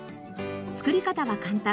作り方は簡単。